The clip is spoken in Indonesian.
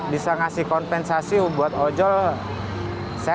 di mana ada tiga rumah yang berada di jawa tenggara